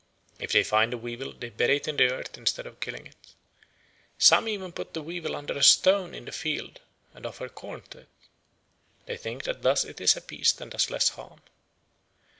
If they find a weevil they bury it in the earth instead of killing it. Some even put the weevil under a stone in the field and offer corn to it. They think that thus it is appeased and does less harm.